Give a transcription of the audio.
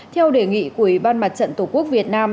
theo đề nghị của ủy ban mặt trận tổ quốc việt nam